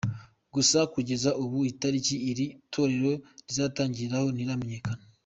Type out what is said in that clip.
Gusa kugeza ubu, itariki iri torero rizatangiriraho ntiramenyekana.